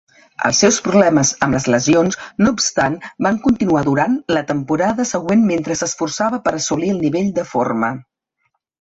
Els seus problemes amb les lesions, no obstant, van continuar durant la temporada següent mentre s'esforçava per assolir el nivell de forma.